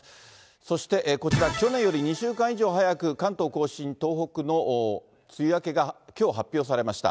そしてこちら、去年より２週間以上早く、関東甲信、東北の梅雨明けがきょう、発表されました。